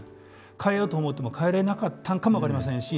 変えようと思ても変えれなかったんかも分かりませんし